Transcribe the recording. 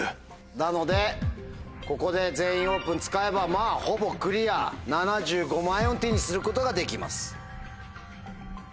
なのでここで「全員オープン」使えばまぁほぼクリア７５万円を手にすることができます。